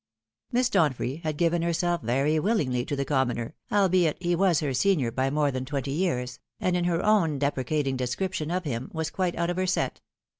Miss Donfrey had given herself very willingly to the com moner, albeit he was her senior by more than twenty years, and, in her own deprecating description of him, was quite out of her set.